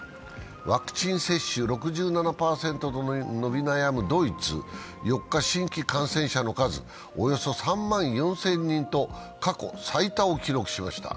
ワクチン接種６７％と伸び悩むドイツ、４日新規感染者の数、およそ３万４０００人と過去最多を記録しました。